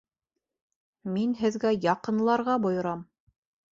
Мин һеҙгә яҡынларға бойорам!